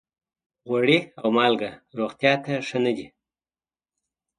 غوړي او مالګه روغتیا ته ښه نه دي.